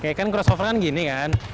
kayaknya crossover kan gini kan